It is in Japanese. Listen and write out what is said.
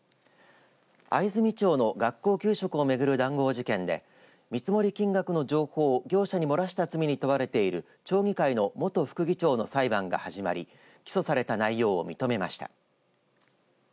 藍住町の学校給食を巡る談合事件で見積もり金額の情報を業者に漏らした罪に問われている町議会の元副議長の裁判が始まり起訴された内容を認めました。